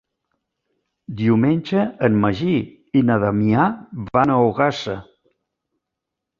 Diumenge en Magí i na Damià van a Ogassa.